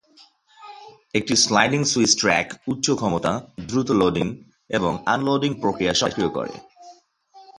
একটি sliding switch track উচ্চ ক্ষমতা, দ্রুত লোডিং এবং আনলোডিং প্রক্রিয়া সক্রিয় করে।